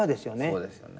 そうですよね。